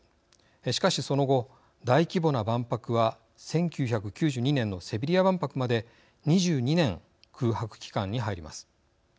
しかしその後、大規模な万博は１９９２年のセビリア万博まで２２年空白期間に入ります。